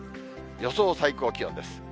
予想最高気温です。